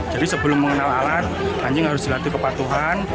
jadi sebelum mengenal alat anjing harus dilatih kepatuhan